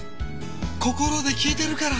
心で聴いてるから！